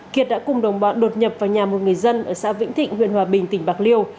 kiệt đã cùng đồng bọn đột nhập vào nhà một người dân ở xã vĩnh thịnh huyện hòa bình tỉnh bạc liêu